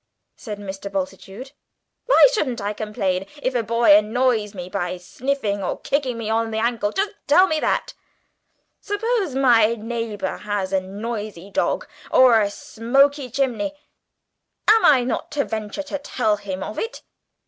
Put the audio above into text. said Mr. Bultitude. "Why shouldn't I complain if a boy annoys me by sniffing, or kicks me on the ankle? Just tell me that? Suppose my neighbour has a noisy dog or a smoky chimney, am I not to venture to tell him of it?